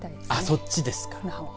そっちですか。